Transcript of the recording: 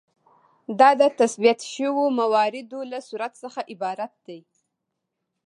دا د تثبیت شویو مواردو له صورت څخه عبارت دی.